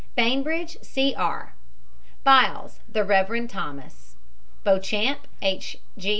BAINBRIDGE, C. R. BYLES, THE REV. THOMAS. BEAUCHAMP, H.